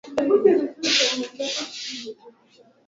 Kuongezeka kwa tama zaidi ya kutumia cocaine